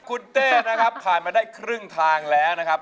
คุณเต้นะครับผ่านมาได้ครึ่งทางแล้วนะครับ